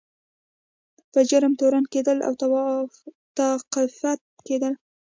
په جرم تورن کیدل او توقیف کیدل.